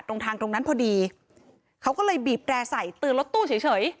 ตรงทางตรงนั้นพอดีเขาก็เลยบีบแร่ใส่เตือนรถตู้เฉย